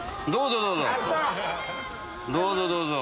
どうぞどうぞ。